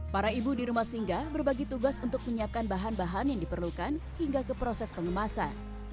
para ibu di rumah singgah berbagi tugas untuk menyiapkan bahan bahan yang diperlukan hingga ke proses pengemasan